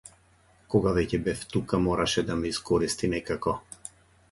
Кога веќе бев тука мораше да ме искористи некако.